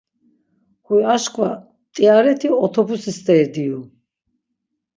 Huy aşǩva mt̆iareti otopusi st̆eri diyu.